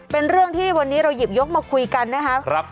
เป็นเรื่องที่วันนี้เราหยิบยกมาคุยกันนะครับ